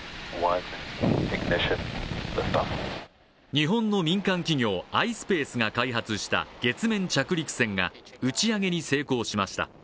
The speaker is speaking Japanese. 日本の民間企業ｉｓｐａｃｅが開発した月面着陸船が打ち上げに成功しました。